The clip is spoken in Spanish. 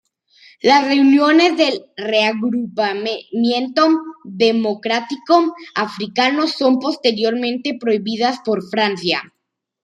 Las reuniones del Reagrupamiento Democrático Africano son posteriormente prohibidas por Francia.